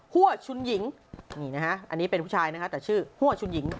ฮั่วชุนหญิงอันนี้เป็นผู้ชายนะแต่ชื่อฮั่วชุนหญิง